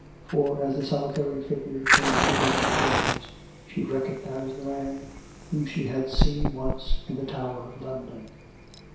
For, as the solitary figure came be 234, COME RACK! COME ROPE! neath the windows she recognised the man whom she had seen once in the Tower of London.